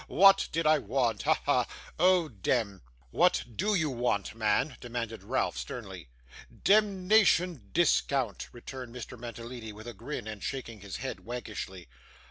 WHAT did I want. Ha, ha. Oh dem!' 'What DO you want, man?' demanded Ralph, sternly. 'Demnition discount,' returned Mr. Mantalini, with a grin, and shaking his head waggishly.